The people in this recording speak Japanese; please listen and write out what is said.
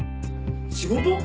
仕事？